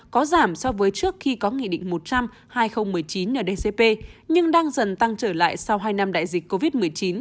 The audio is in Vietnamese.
có giảm so với trước khi có nghị định một trăm linh hai nghìn một mươi chín ndcp nhưng đang dần tăng trở lại sau hai năm đại dịch covid một mươi chín